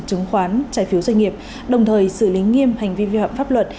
chứng khoán trái phiếu doanh nghiệp đồng thời xử lý nghiêm hành vi vi phạm pháp luật